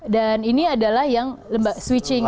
dan ini adalah yang lembaga switching